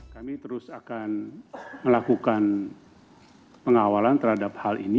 kami terus akan melakukan pengawalan terhadap hal ini